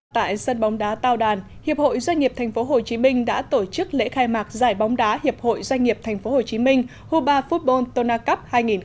tại sân bóng đá tào đàn hiệp hội doanh nghiệp tp hcm đã tổ chức lễ khai mạc giải bóng đá hiệp hội doanh nghiệp tp hcm huba football tona cup hai nghìn một mươi tám